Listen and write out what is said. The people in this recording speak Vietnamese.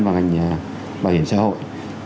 và ngành bảo hiểm xã hội